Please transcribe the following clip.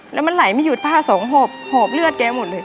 แล้วมันไหลไม่หยุดผ้าสองหอบหอบเลือดแกหมดเลย